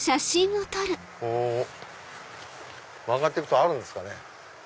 ここ曲がってくとあるんですかね。